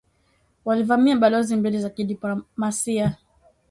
Walivamia balozi mbili za kidiplomasia